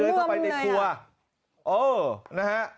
ดำร่วมเลยอ่ะ